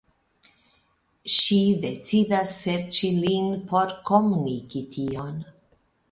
Ŝi decidas serĉi lin por komuniki tion.